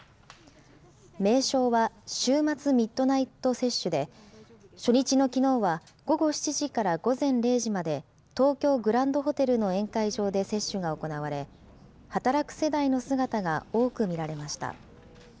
名称は週末ミッドナイト接種で、初日のきのうは午後７時から午前０時まで、東京グランドホテルの宴会場で接種が行われ、働く世代の姿が多く見られました。